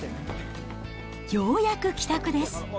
ようやく帰宅です。